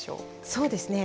そうですね